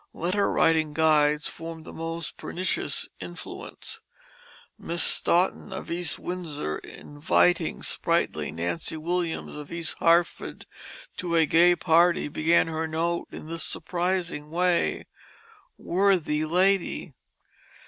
Letter writing guides formed the most pernicious influence. Miss Stoughton of East Windsor inviting sprightly Nancy Williams of East Hartford to a gay party began her note in this surprising way: "Worthy Lady."